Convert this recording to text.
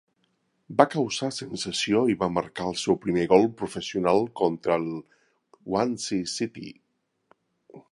Va causar sensació i va marcar el seu primer gol professional contra el Swansea City.